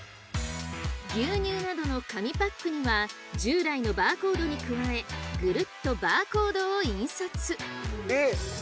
牛乳などの紙パックには従来のバーコードに加えぐるっとバーコードを印刷！